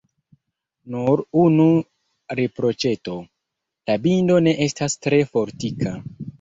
Nur unu riproĉeto: la bindo ne estas tre fortika.